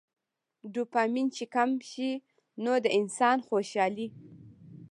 ډوپامين چې کم شي نو د انسان څوشالي